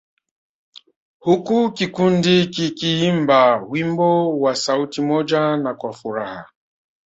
Huku kikundi kikiimba wimbo kwa sauti moja na kwa furaha